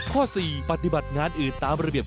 ข้อ๔ปฏิบัติงานอื่นตามระเบียบ